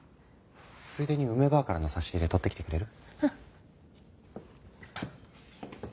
ついでに梅ばあからの差し入れ取ってきてくれる？